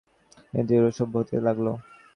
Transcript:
কিন্তু ইউরোপ সভ্য হতে লাগল।